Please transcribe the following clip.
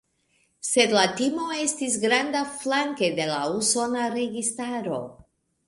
Sed la timo estis granda flanke de la usona registaro.